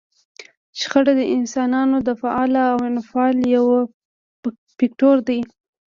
شخړه د انسانانو د فعل او انفعال یو فکتور دی.